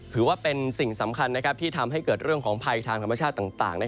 ถือว่าเป็นสิ่งสำคัญที่ทำให้เกิดเรื่องของภัยทางธรรมชาติต่าง